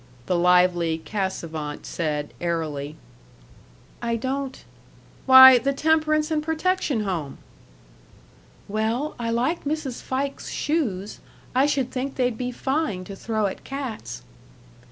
the lively Cassavant said, airily. "I don't " "Why! The Temperance and Protection Home." "Well, I like Mrs. Fike's shoes. I should think they'd be fine to throw at cats."